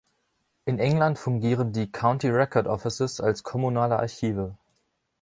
In England fungieren die „County Record Offices“ als kommunale Archive.